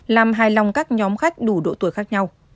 làm hài lòng các nhóm khách đủ độ tuổi khác nhau